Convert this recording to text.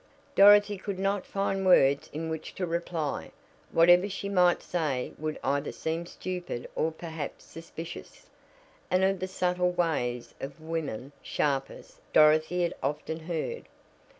Dorothy could not find words in which to reply. Whatever she might say would either seem stupid or perhaps suspicious. And of the subtle ways of women "sharpers" Dorothy had often heard.